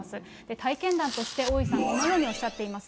体験談として大井さん、このようにおっしゃっています。